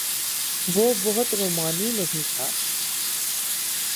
وہ بہت رومانی نہیں تھا۔